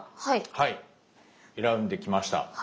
はい選んできました。